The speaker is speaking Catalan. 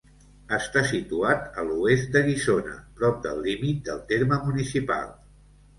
Està situat a l'oest de Guissona, prop del límit del terme municipal.